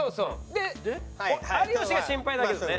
で有吉が心配だけどね。